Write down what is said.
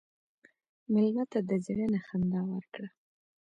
مېلمه ته د زړه نه خندا ورکړه.